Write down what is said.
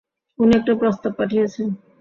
উনি একটা প্রস্তাব পাঠিয়েছেন।